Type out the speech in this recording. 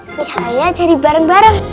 supaya cari bareng bareng